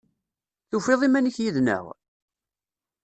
Tufiḍ iman-ik yid-neɣ?